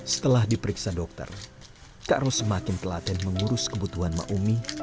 setelah diperiksa dokter kak ros semakin telat dan mengurus kebutuhan maumi